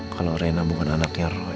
kalo rena bukan anaknya roy